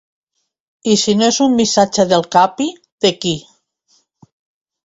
I si no és un missatge del Capi, de qui?